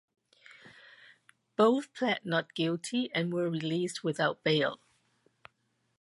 Both pled not guilty and were released without bail.